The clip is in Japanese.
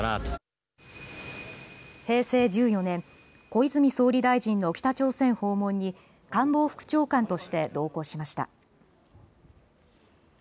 小泉総理大臣の北朝鮮訪問に官房副長官として同行しました。